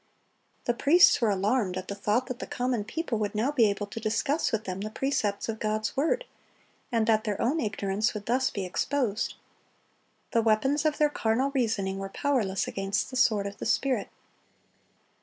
The priests were alarmed at the thought that the common people would now be able to discuss with them the precepts of God's word, and that their own ignorance would thus be exposed. The weapons of their carnal reasoning were powerless against the sword of the Spirit.